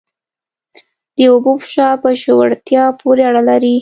د اوبو فشار په ژورتیا پورې اړه لري.